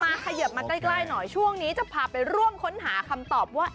มาขยับมาใกล้ฉ่วงนี้จะพาไปร่วมค้นหาคำตอบว่า